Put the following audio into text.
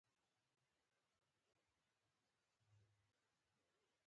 شواهد د ښکار شوې هوسۍ په غاښونو کې دي.